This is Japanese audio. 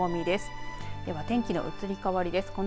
では、天気の移り変わりです。